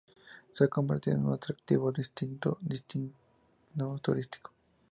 Se ha convertido en un atractivo destino turístico.